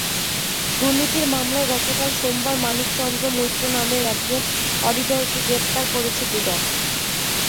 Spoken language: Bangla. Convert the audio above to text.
দুর্নীতির মামলায় গতকাল সোমবার মানিক চন্দ্র মৈত্র নামের একজন অডিটরকে গ্রেপ্তার করেছে দুদক।